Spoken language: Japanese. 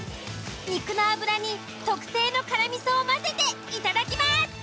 肉の脂に特製の辛味噌を混ぜていただきます！